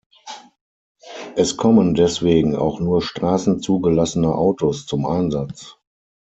Es kommen deswegen auch nur straßenzugelassene Autos zum Einsatz.